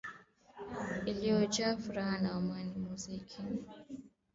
iliojaa furaha na amani muziki